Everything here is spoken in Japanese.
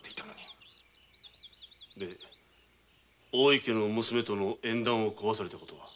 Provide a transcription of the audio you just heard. では大井家の娘との縁談を壊された事は？